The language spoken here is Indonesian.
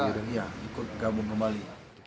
iya ikut gabung kembali